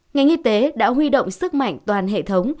ngành y tế đã huy động sức mạnh toàn hệ thống